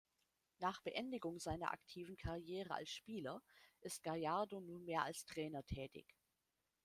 Nach Beendigung seiner aktiven Karriere als Spieler ist Gallardo nunmehr als Trainer tätig.